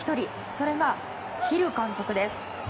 それがヒル監督です。